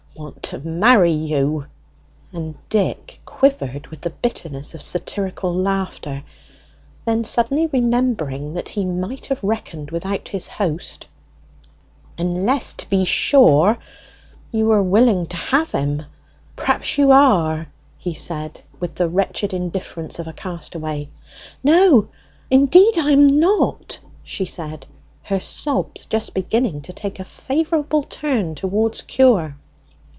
Want to marry you!" And Dick quivered with the bitterness of satirical laughter. Then suddenly remembering that he might be reckoning without his host: "Unless, to be sure, you are willing to have him, perhaps you are," he said, with the wretched indifference of a castaway. "No, indeed I am not!" she said, her sobs just beginning to take a favourable turn towards cure.